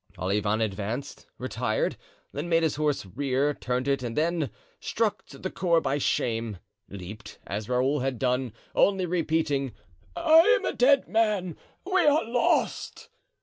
Olivain advanced, retired, then made his horse rear—turned it and then, struck to the core by shame, leaped, as Raoul had done, only repeating: "I am a dead man! we are lost!"